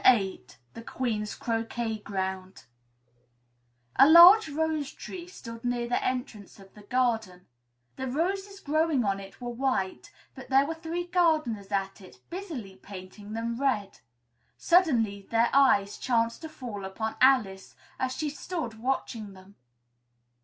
VIII THE QUEEN'S CROQUET GROUND A large rose tree stood near the entrance of the garden; the roses growing on it were white, but there were three gardeners at it, busily painting them red. Suddenly their eyes chanced to fall upon Alice, as she stood watching them.